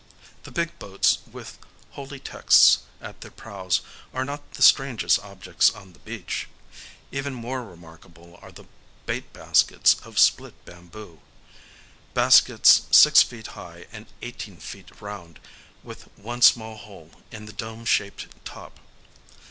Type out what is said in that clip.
The big boats with holy texts at their prows are not the strangest objects on the beach. Even more remarkable are the bait baskets of split bamboo,—baskets six feet high and eighteen feet round, with one small hole in the dome shaped top.